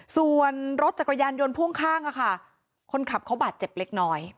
ส่วนรถจักรยานยนต์พ่วงข้างค่ะคนขับเขาบาดเจ็บเล็กน้อย